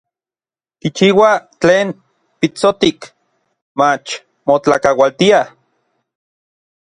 Kichiuaj tlen pitsotik, mach motlakaualtiaj.